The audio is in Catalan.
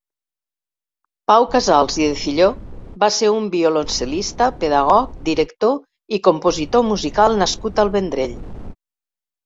Pau Casals i Defilló va ser un violoncel·lista, pedagog, director i compositor musical nascut al Vendrell.